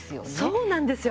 そうなんですよ！